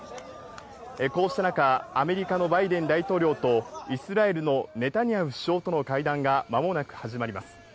こうした中、アメリカのバイデン大統領とイスラエルのネタニヤフ首相との会談がまもなく始まります。